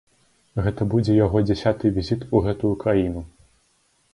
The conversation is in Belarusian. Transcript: Гэта будзе яго дзясяты візіт у гэтую краіну.